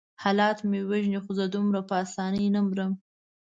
حالات مې وژني خو زه دومره په آسانۍ نه مرم.